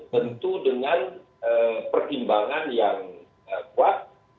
tentu dengan pertimbangan yang kuat